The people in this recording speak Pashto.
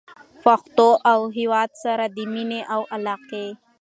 پښتو او هېواد سره د مینې او علاقې